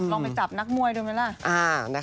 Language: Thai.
ปลัดออกทันทีเลยคุณผู้ชมค่ะ